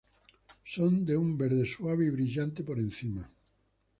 Son de un verde suave y brillante por encima.